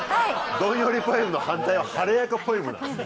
どんよりポエムの反対は晴れやかポエムなんですね。